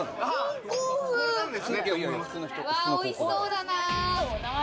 おいしそうだな。